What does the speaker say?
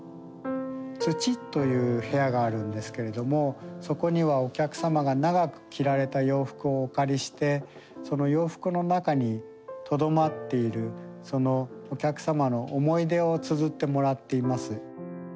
土という部屋があるんですけれどもそこにはお客様が長く着られた洋服をお借りしてその洋服の中にとどまっているそのお客様の思い出をつづってもらっています。